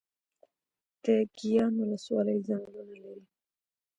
د ګیان ولسوالۍ ځنګلونه لري